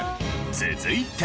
続いて。